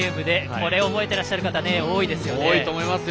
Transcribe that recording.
これ、覚えていらっしゃる方多いでしょうね。